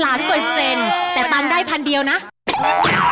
๑๕ล้านแต่ต่างได้๑๐๐๐บาท